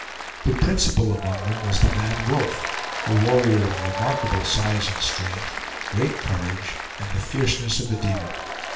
The principal among them was the Mad Wolf, a warrior of remarkable size and strength, great courage, and the fierceness of a demon.